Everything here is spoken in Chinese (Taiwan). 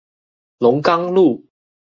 龍岡路